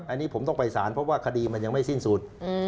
อันนี้ผมต้องไปสารเพราะว่าคดีมันยังไม่สิ้นสุด